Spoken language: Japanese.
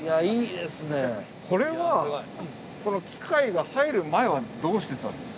これはこの機械が入る前はどうしてたんですか？